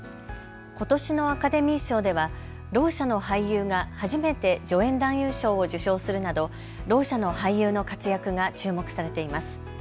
ことしのアカデミー賞ではろう者の俳優が初めて助演男優賞を受賞するなどろう者の俳優の活躍が注目されています。